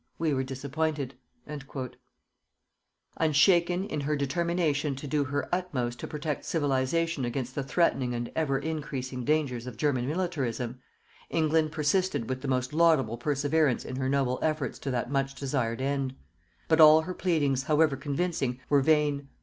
We were disappointed._" Unshaken in her determination to do her utmost to protect Civilization against the threatening and ever increasing dangers of German militarism, England persisted with the most laudable perseverance in her noble efforts to that much desired end. But all her pleadings, however convincing, were vain.